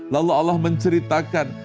lalu allah menceritakan